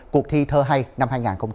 cuộc thi thơ hay năm hai nghìn hai mươi